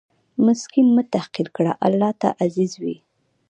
مسکین مه تحقیر کړه، الله ته عزیز وي.